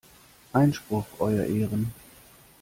Einspruch, euer Ehren!